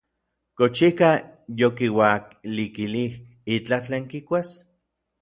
¿Kox ikaj yokiualikilij itlaj tlen kikuas?